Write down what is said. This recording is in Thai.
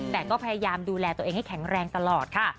แต่ก็พยายามดูแลตัวเองให้แข็งแรงตลอดค่ะ